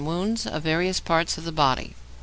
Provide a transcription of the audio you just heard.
WOUNDS OF VARIOUS PARTS OF THE BODY 1.